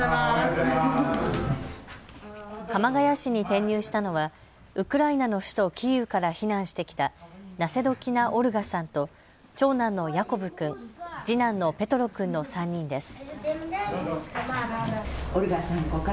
鎌ケ谷市に転入したのはウクライナの首都キーウから避難してきたナセドキナ・オルガさんと長男のヤコブ君、次男のペトロ君の３人です。